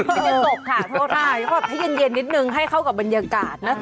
ไม่ได้ตกค่ะโทษค่ะถ้าเย็นนิดนึงให้เข้ากับบรรยากาศนะ